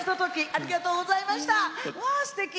ありがとうございます。